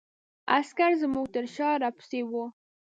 عسکر زموږ تر شا را پسې وو.